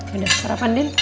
yaudah sarapan din